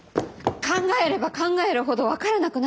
考えれば考えるほど分からなくなるんです。